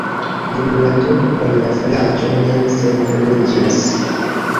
Dum la turkoj la vilaĝo ne senhomiĝis.